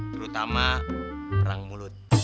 terutama perang mulut